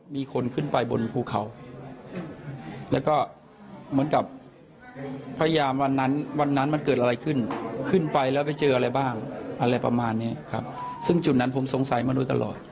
มีคนขึ้นไปบนภูเขาแล้วก็เหมือนกับพยายามวันนั้นวันนั้นมันเกิดอะไรขึ้นขึ้นไปแล้วไปเจออะไรบ้างอะไรประมาณนี้ครับซึ่งจุดนั้นผมสงสัยมาโดยตลอด